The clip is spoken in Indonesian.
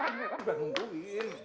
tadi nanti udah nungguin